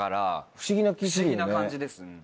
不思議な感じです。